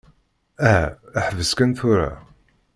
Aha, ḥbes kan tura.